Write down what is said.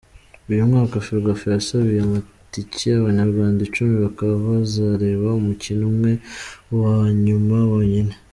Uyu mwaka, Ferwafa yasabiye amatike abanyarwanda icumi bakaba bazareba umukino umwe, uwa nyuma wonyine.